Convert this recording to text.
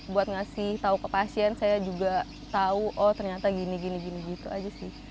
buat ngasih tahu ke pasien saya juga tahu oh ternyata gini gini gitu aja sih